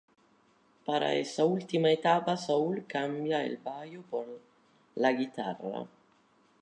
Para esta última etapa Saúl cambia el bajo por la guitarra.